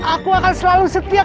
aku akan selalu setia kepadamu